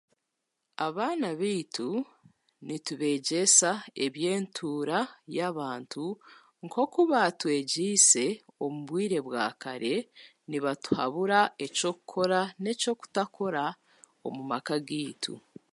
Abaana baitu nitubeegyesa eby'entuura y'abantu nk'oku baatwegiise omu bwire bwa kare nibatuhabura eky'okukora n'obutakora omu maka gaitu